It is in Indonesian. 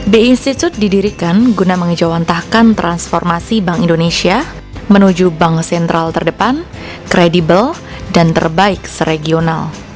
bi institute didirikan guna mengejawantahkan transformasi bank indonesia menuju bank sentral terdepan kredibel dan terbaik seregional